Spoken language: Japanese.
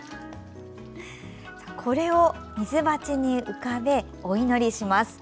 これを水鉢に浮かべお祈りします。